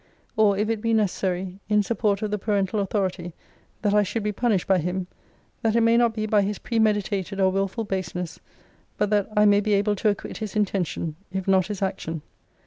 or, if it be necessary, in support of the parental authority, that I should be punished by him, that it may not be by his premeditated or wilful baseness; but that I may be able to acquit his intention, if not his action!'